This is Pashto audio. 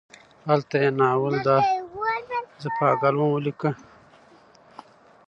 هلته یې ناول دا زه پاګل وم ولیکه.